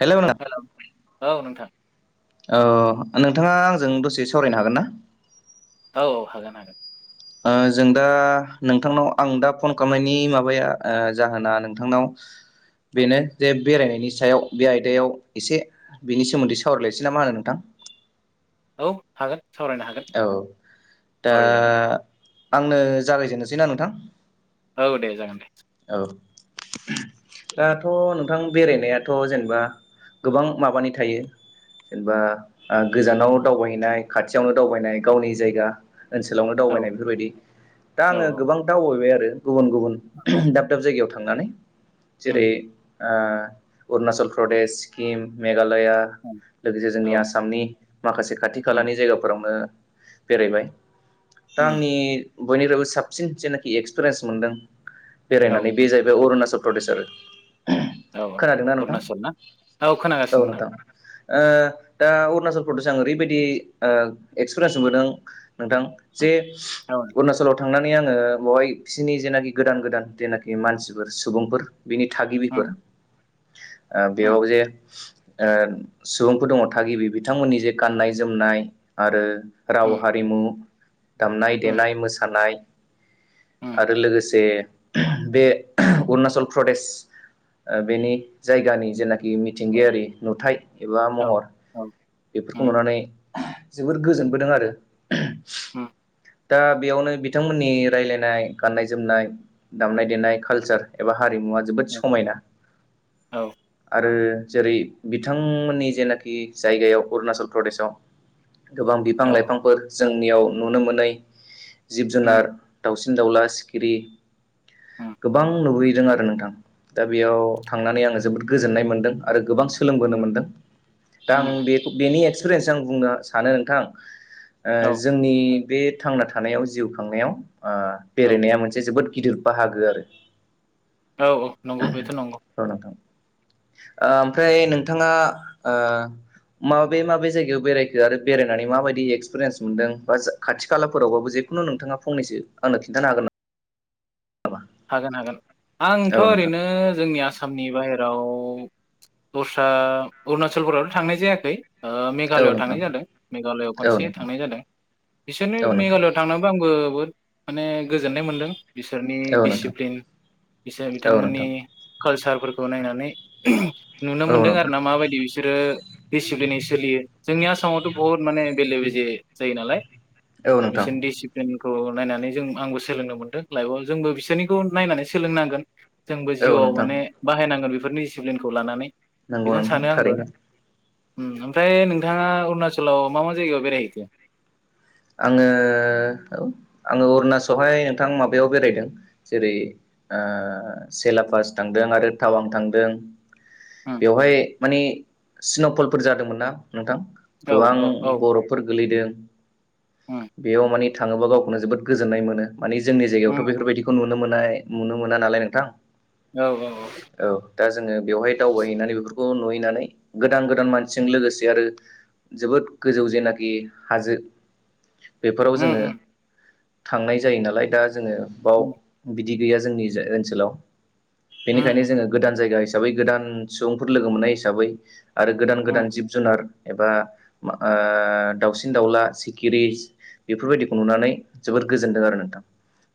Hello hello औ नोंथां अ नोंथाङा आंजों दसे सावरायनो हागोन ना? औ हागोन हागोन। ओ जों दा नोंथांनाव आं दा फन खालामनायनि माबाया जाहोना नोंथांनाव औ बेनो जे बेरायनायनि सायाव बे आयदायाव एसे बेनि सोमोन्दै सावरायलायसै ना मा होनो नोंथां? औ हागोन सावरायनो हागोन औ दा सावरायजागोन आंनो जागायजेननोसैना नोंथां? औ दे जागोन दे। [inaudible] दाथ' नोंथां बेरायनायाथ' जेनेबा गोबां माबानि थायो जेनेबा गोजानाव दावबायहैनाय खाथियावनो दावबायनाय गावनि जायगा ओनसोलावनो औ दावबायनाय बेफोरबायदि दा आङो औ गोबां दावबायबाय आरो गुबुन गुबुन दाब दाब जायगायाव थांनानै उम जेरै ओ अरुणाचल प्रदेश सिक्किम मेघालय लया उम लोगोसे औ जोंनि आसामनि माखासे खाथि उम खालानि जायगा फोरावनो बेरायबाय दा उम आंनि बयनिखफ्रायबो साबसिन जेनाखि एक्सपिरियेन्स मोनदों औ बेरायनानै बे जाहैबाय अरुणाचल प्रडेस आरो औ खोनादोंना नोंथां अरुणाचल ना औ औ खोनागासिनो नोंथां ओ दा अरुणाचल प्रदेश आं ओरैबायदि एक्सपिरियेन्स मोनबोदों नोंथां जे औ अरुणाचलाव थांनानै आङो बावहाय बिसोरनि जेनाखि गोदान गोदान जेनाखि मानसिफोर सुबुंफोर बिनि थागिबिफोर उम ओ उम बेयाव जे सुबुंफोर दङ थागिबि बिथांमोननि जे गाननाय जोमनाय आरो राव उम हारिमु दामनाय उम देनाय मोसानाय उम आरो लोगोसे बे अरुणचल प्रदेश बेनि जायगानि जेनाखि औ मिथिंगायारि नुथाय एबा महर औ औ बेफोरखौ उम नुनानै जोबोर गोजोनबोदों आरो उम दा बेयावनो बिथांमोननि रायलायनाय गाननाय जोमनाय दामनाय देनाय कालचार एबा हारिमुवा जोबोद औ समायना औ आरो जेरै बिथांमोननि जेनाखि जायगायाव अरुणाचल प्रदेशआव गोबां बिफां औ लाइफांफोर जोंनियाव नुनो मोनै जिब उम जुनार दावसिन दावला सिखिरि उम गोबां नुबोयो [inaudible] आरो नोंथां दा बेयाव थांनानै आङो जोबोद गोजोननाय मोनदों आरो गोबां सोलोंबोनो मोनदों दा आं उम बे बेनि एक्सपिरियेन्सजों आं बुंनो सानो नोंथां औ जोंनि बे थांना थानायाव जिउ खांनायाव ओ औ बेरायनाया मोनसे जोबोद गिदिर बाहागो आरो औ औ नंगौ बेथ' नंगौ औ नोंथां ओमफ्राय नोंथाङा ओ माबे माबे जायगायाव बेरायखो आरो बेरायनानै माबायदि एक्सपिरियेन्स मोनदों बा खाथि खाला खाथि खालाफोरावबाबो जिखुनु नोंथाङा फनैसो आंनो खिन्थानो हागोन नामा? हागोन हागोन आंथ' औ नोंथां ओरैनो जोंनि आसामनि बाहेराव औ दस्रा अरुणचलफोरावथ' थांनाय जायाखै ओ औ मेघालयआव नोंथां थांनाय जादों मेघालयआव औ खनसे नोंथां थांनाय जादों बिसोरनि औ नोंथां मेघालयआव थांनोबो आंबो बहुद माने गोजोननाय मोनदों बिसोर औ नोंथां दिडिसिप्लिन बिसोर औ बिथांमोननि नोंथां कालसारफोरखौ नायनानै नुनो औ मोनदों आरो नोंथां ना माबायदि बिसोरो दिसिप्लिनै सोलियो जोंनि आसामावथ' बुहुत माने बेले बेजे जायो नालाय औ नोंथां बिसोरनि दिसिप्लिन खौ नायनानै जों आंबो सोलोंनो मोन्दों लाइफआव जोंबो बिसोरनिखौ नायनानै सोलोंनांगोन जोंबो औ जिउआव नोंथां माने बाहायनांगोन बेफोरनि डिसिप्लिनखौ लानानै नंगौ बेखौनो नोंथां सानो आंबो थारैनो ओमफ्राय नोंथाङा अरुणचलाव मा मा जायगायाव बेरायहैखो आङो औ आङो अरुणाचलहाय नोंथां माबायाव बेरायदों जेरै ओ सेलापास थां थांदों आरो टावां थांदों उम बेवहाय माने स्न'फलफोर जादोंमोन ना नोंथां औ गोबां औ औ बरफफोर गोलैदों उम बेयाव मानि थाङोबा गावखौनो जोबोद गोजोन्नाय मोनो मानि जोंनि जायगायावथ' उम बेफोरबायदिखौ नुनो मोननाय नुनो मोना नालाय नोंथां औ औ औ दा जोङो बेवहाय दावबायहैनानै बेफोरखौ नुहैनानै गोदान गोदान मानसिजों उम लोगोसे आरो जोबोद गोजौ जेनाखि हाजो बेफोराव जोङो उम थांनाय जायो नालाय दा जोङो बाव उम बिदि गैया जोंनि जाय ओनसोलाव उम बेनिखायनो जोङो गोदान जायगा हिसाबै गोदान सुबुंफोर लोगो मोननाय हिसाबै आरो गोदान गोदान उम जिब जुनार एबा मा ओ दाावसिन दाउला गिरिस बेफोरबायदिखौ नुनानै जोबोद गोजोनदों आरो नोंथां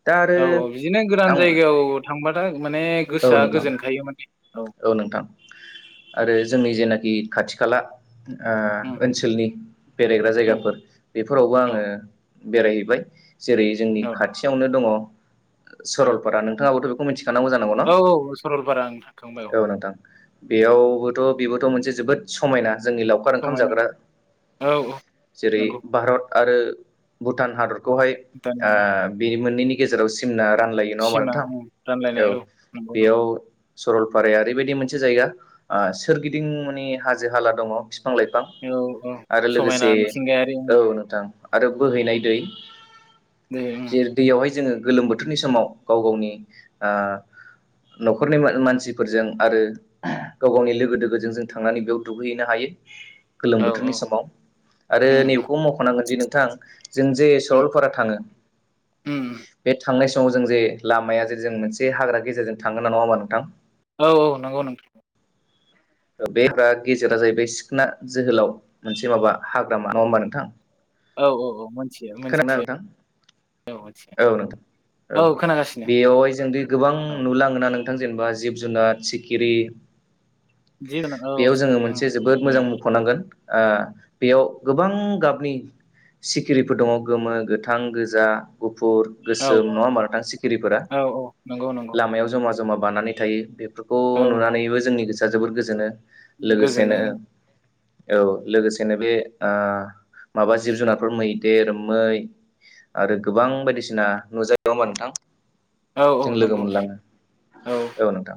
दा आरो औ औ बिदिनो गोदान आं जायगायाव थांबाथाय माने औ गोसोआ नोंथां गोजोनखायो माने औ नोंथां आरो जोंनि जेनाखि खाथि खाला ओ उम ओनसोलनि बेरायग्रा उम जायगाफोर बेफोरावबो औ आङो बेरायहैबाय जेरै जोंनि औ खाथियावनो दङ औ सरलपारा नोंथाङाबोथ' बेखौ मिथि औ औ सलपारा आं औ नोंथां बेयावबोथ' बेबोथ' मोनसे जोबोद समायना जोंनि लावखार ओंखाम समायना जाग्रा औ औ जेरै नंगौ भारत आरो भुटान हादर ओ दानि मोननैनि गेजेराव सिमना रानलायो नङा होमबा सिमा नोंथां उम रानलायनाय औ नंगौ बेयाव सरलपाराया ओरैबायदि मोनसे जायगा आ सोरगिदिं माने हाजो हाला दङ। बिफां-लाइफां नंगौ औ आरो लोगोसे समायना मिथिंगायारि उम औ नोंथां आरो बोहैनाय दै दे उम जे दैयावहाय जोङो गोलोम बोथोरनि समाव गाव गावनि आ न'खरनि मा-मान सिफोरजों आरो गाव गावनि लोगो दोगोजों जों थांनानै बेयाव दुगैहैनो हायो। गोलोम औ औ बोथोरनि समाव आरो उम नैबेखौ मख'नांगोन दि नोंथां जों जे उम सरलपारा थाङो उम बे थांनाय समाव जों जे लामाया जे जों मोनसे हाग्रा गेजेरजों थांनो ना नङा होमबा नोंथां औ औ नंगौ नोंथां बे हाग्रा गेजेरा जाहैबाय सिखोन जोहोलाव मोनसे माबा हाग्रामा नङा होमबा नोंथां। औ औ औ मोनथियो खोनादोंना मोनथियो नोंथां औ मोनथियो औ नोंथां औ बेयावहाय जोंदि गोबां औ नुलाङोना नों थां जेनेबा जिब-जुनार सिखिरि जिब जुनार औ बेयाव जोङो जेरै ओं मोनसे जोबोद मोजां नुयो मख'नांगोन ओ बेयाव गोबां गाबनि सिखिरिफोर दङ गोमो, गोथां, गोजा, गु फुर, औ गोसोम औ नङा होमबा नोंथां सिखिरिफोरा औ औ नंगौ नंगौ लामायाव जमा जमा बानानै थायो। बेफोरखौ औ औ नुनानैबो जोंनि गोसोआ जोबोर गोजोनो लोगोसेनो गोजोनो औ लोगोसेनो बे आ माबा जिब-जुनारफोर मैदेर, मै आरो गोबां बायदिसिना नुजायो नङा होमबा नोंथां। औ औ जों लोगो नंगौ मोनलाङो औ नोंथां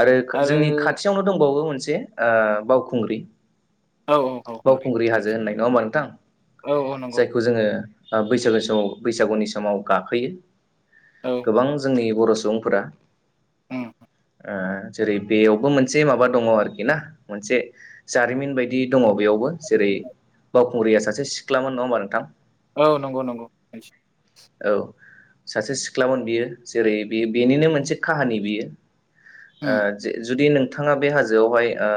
आरो जोंनि खाथियावनो दंबावो मोनसे ओ बावखुंग्रि औ औ ओमफ्राय बावखुंग्रि हाजो होननाय नङा होमबा नोंथां औ औ नंगौ जायखौ जोङो बैसागो समाव बैसागुनि समाव गाखोयो औ गोबां जोंनि बर' सुबुंफोरा उम ओ जेरै बेयावबो मोनसे माबा दङ आरोखि ना मोनसे जारिमिन बायदि दङ बेयाव बो जेरै बावखुंग्रिया सासे सिख्लामोन नङा होमबा नोंथां। औ नंगौ नंगौ औ सासे सिख्लामोन बियो जेरै बे बेनिनो मोनसे काहानि बियो ओ उम जे जुदि नों थाङा बे हाजोआवहाय ओ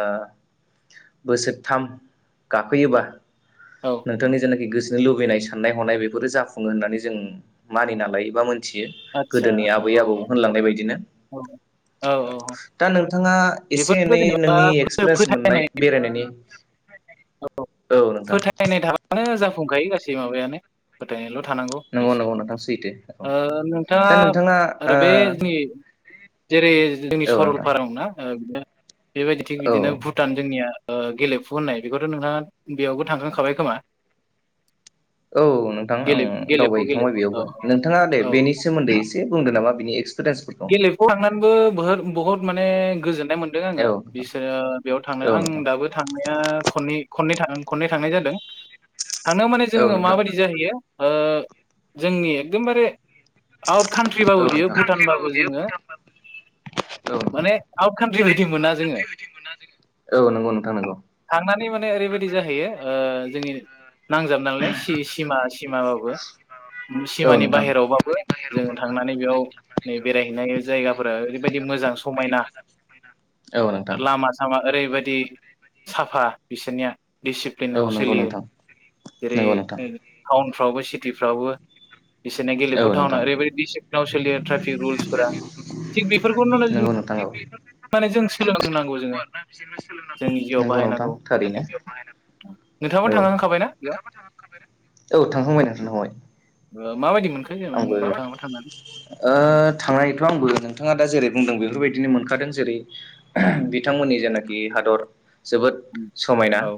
बोसोरथाम गाखोयोबा औ औ नोंथांनि जेनाखि गोसोनि लुबैनाय साननाय हनाय बेफोरो जाफुङो होननानै जों मानिना लायो बा मो थियो आदसा गोदोनि औ आबै औ आबौ होनलांनाय बदिनो औ औ औ दा नों थाङा एसे बेफोरथ' एनै जेनेबा नोंनि एक्सपिरियेन्स मोननाय फोथायनाय बेरायनायनि औ फोथायनाय थाबानो जाफुंखायो गासै माबायानो फोथायनायल' थानांगौ नंगौ बेसो नंगौ नोंथां सैथो औ ओ दा नोंथाङा आरो बे ओ [unintelligible] जेरै जोंनि औ नोंथां सरलपारायाव ना बेबायदि थिग औ बिदिनो भुटान जोंनिया ओ गेलेफु होननाय बेखौथ' नोंथाङा बेयावबो थांखां खाबाय खोमा औ नोंथां गेले आं गेलेफु दावबायहैखांबाय गेलेफु बेयावबो औ नोंथाङा दे औ बेनि सोमोन्दै एसे बुंदो नामा? बिनि एक्सपिरियेन्सफोरखौ गेलेफुआव थांनानैबो बोहोद बुहुद माने गोजोन नाय मोनदों आङो औ नोंथां बिसोरो बेयाव थांना औ आं नोंथां दाबो थांनाया खन्नै खैन्नै थां खननै थांनाय जादों थांनो माने औ जोङो नोंथां माबायदि जाहैयो ओ जोंनि एकदमबारे आउट कान्ट्रि बाबो औ बियो नोंथां भुटान बाबो कान्ट्रिबाबो बियो जोङो भुटानबाबो औ नाने आउथ कानथ्रि बायदि मोना जोङो औ नंगौ नोंथां नंगौ थांनानै ओरैबायदि जाहायो ओ जोंनि नांजाबनालाय सि सिमा सिमाबाबो औ सिमानि नोंथां बाहेरावबाबो जों थांनानै बेयाव बेरायहैनाय जायगाफोरा ओैबायदि मोजां समायना औ नोंथां लामा सामा ओरैबायदि साफा बिसोरनिया औ दिडिसिप्लिनाव नंगौ सोलियो नोंथां जेरै नंगौ नोंथां ताउन फ्रावबो सिटिफ्रावबो बिसोरनो गेलेफु औ थटउना नोंथां ओरै बायदि डिसिपलिन आव सोलियो बे रुलफोरा थि बेफोरखौनो नंगौ नोंथां औ। माने जों सोलोंनांगौ जोंङो जोंनि जिउआव नंगौ नोंथां बाहायनांगौ थारैनो औ नोंथाङाबो थांखांखाबायना बेयाव औ थांखांबाय नोंथां थांखांबाय माबायदि मोन आंबो ओ‌ थांनायथ' आंबो नोंथाङा दा जेरैबाय बुंदों बेफोरबायदिनो मोनखादों जेरै बिथांमोननि जेनाखि हादर जोबोद समायना औ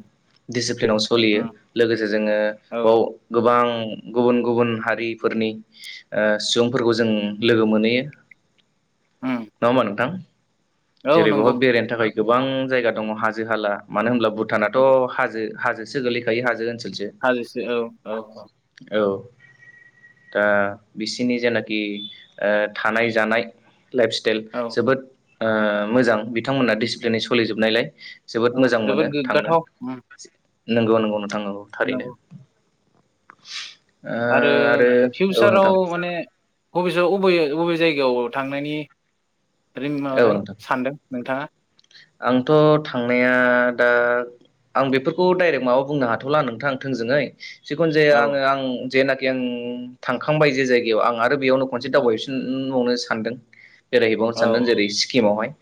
दिसिप्लिनाव सोलियो उम लोगोसे जोंङो औ बाव गोबां गुबुन गुबुन हारिफोरनि ओ सुबुंफोरखौ जों लोगो मोनहैयो उम नंङा होमा नोंथां औ जेरै बेहाय नंगौ बेरायनो थाखाय गोबां जायगा दंङ हाजो हाला मानो होनब्ला भुटानाथ' हाजो हाजो गोलैखायो हाजोसै जों हाजोसो औ औ औ औ दा बिसिनि जेनाखि ओ थानाय जानाय लाइफ स्टाइल औ जोबोद ओ मोजां बिथांमोना डिसिप्लिनै सोलिजोबनायलाय जोबोद औ मोजां मोनो जोबोद थांनो गोग्गाथाव उम नंगौ नंगौ नोंथां औ थारैनो नंगौ ओ आरो औ नोंथां फिउसाराव माने बबे अबे अबे जायगायाव थांनायनि सानदों औ माबादों नोंथां सान्दों नोंथाङा आंथ' थांनाया दा आं बेफोरखौ डाइरेक्ट माबा बुंनो हाथ'ला नोंथां दा सान्दै जिखुन जाया औ आङो आं जेनाखि आं थांखांबाय जे जायगायाव आं आरो बेयावनो खनसे औ दावबायफिनबावनो सानदों बेरायहैबावनो औ सानदों जेरै सिक्किमावहाय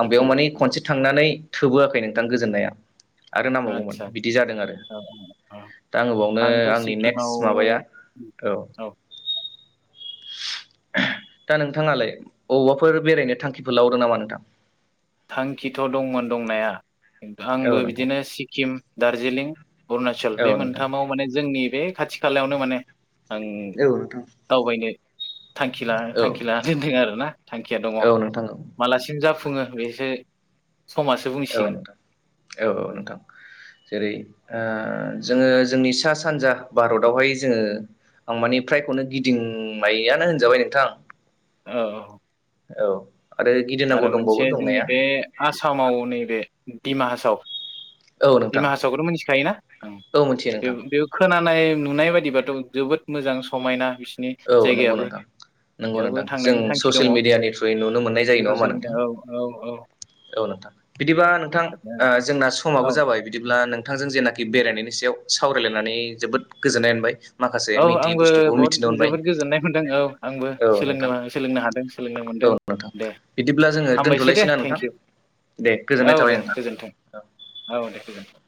आं बेयाव सिक्किम माने खनसे थांनानै थोबोआखै नोंथां गोजोननाया आरो नांबावगौमोन आदसा आदसा बिदि जादों आरो औ औ दा आङो बेयावनो आंथ' आंनि नेक्ट सिक्किमाव माबाया औ दा नोंथाङालाय बबावबाफोर बेरायनो थांखिफोर लाबावदों नामा नोंथां थांखिथ' दंमोन दंनाया खिन्थु आंबो औ नोंथां बिदिनो सिक्किम दार्जिलिं अरुणचल औ बे नोंथां मोनथामाव माने जोंनि बे खाथि खालायावनो माने आं दावबायनो थांखि औ थांखि लानानै दोनदों आरोना थांखिया दङ औ नोंथां औ मालासिम जाफुङो बे से औ नोंथां औ औ नोंथां जेरै ओ ओ जोंङो जोंनि सा सानजा भारतावहाय जोंङो आं मानि फ्रायखौनो गिदिंबायानो होनजाबाय नोंथां औ औ आरो गिदिंनांगौ आरो दंबावो मोनसे जोंनि दंनाया बे आसामाव नैबे दिडिमाहासाव औ नोंथां दिमा हासावखौथ' मिथिखायोना औ मिथियो नोंथां ओं बे खोनानाय नुनाय बायदिबाथ' जोबोद मोजां समायना बिस नि औ नंगौ जायगायाबो नोंथां नंगौ बेयावबो नोंथां जों थांनायनि थांखि दंङ। ससियेल मिडियानि थ्रुयै नुनो मोननाय जायो औ नङा होमबा ससियेल नोंथां मिडिया। औ औ औ। औ नोंथां बिदिबा नोंथां जोंना ओ समाबो औ जाबाय बिदिब्ला नोंथांजों जेनाखि बेरायनायनि सायाव सावरायलायनानै जोबोद गोजोननाय मोनबाय। माखासे औ मिथियै आंबो बुस्थुखौ बहद मिथिनो मोनबाय जोबोद गोजोननाय मोनदों। औ आंबो औ नोंथां सोलोंनो सोलोंनो हादों। सोलोंनो मोन औ दों। नोंथां दे बिदिब्ला जोङो हामबायसै दे दोनथ'लायसैना नोंथां थेंकिउ। दे औ गोजोननाय थाबाय दे नोंथां गोजोनथों। औ औ दे गोजोनथों।